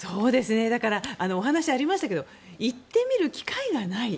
だからお話がありましたけど行ってみる機会がない。